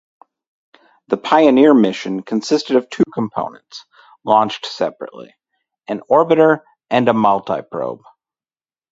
The Pioneer mission consisted of two components, launched separately: an orbiter and a multiprobe.